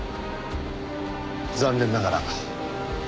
残念ながら。